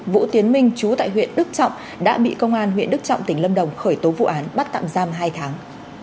vũ tiến minh chú tại huyện đức trọng đã bị công an huyện đức trọng tỉnh lâm đồng khởi tố vụ án bắt tạm giam hai tháng